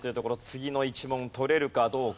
次の１問取れるかどうか。